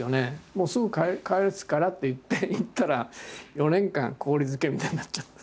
「もうすぐ帰すから」って言って行ったら４年間氷漬けみたいになっちゃった。